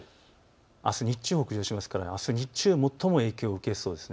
あす日中、北上するからあす日中、最も影響を受けそうです。